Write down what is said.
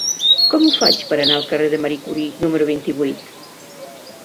Com ho faig per anar al carrer de Marie Curie número vint-i-vuit?